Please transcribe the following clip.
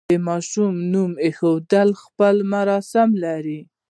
د ماشوم نوم ایښودل خپل مراسم لري.